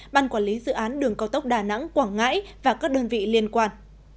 ban quản lý dự án đường cao tốc đà nẵng quảng ngãi và các đơn vị liên quan